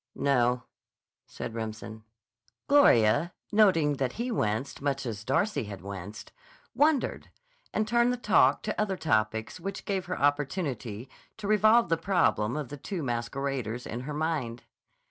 "No," said Remsen. Gloria, noting that he winced much as Darcy had winced, wondered, and turned the talk to other topics which gave her opportunity to revolve the problem of the two masqueraders in her mind.